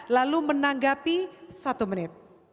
lalu menanggapi satu menit